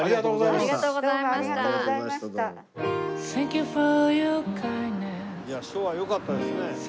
いや書はよかったですね。